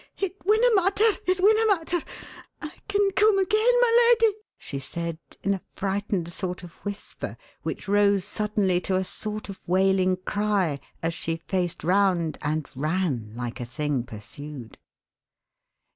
"It winna matter it winna matter: I can come again, my leddy!" she said in a frightened sort of whisper which rose suddenly to a sort of wailing cry as she faced round and ran like a thing pursued.